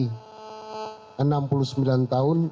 yang berusia enam puluh sembilan tahun